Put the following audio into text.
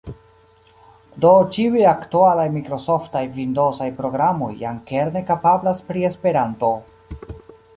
Do ĉiuj aktualaj mikrosoftaj vindozaj programoj jam kerne kapablas pri Esperanto.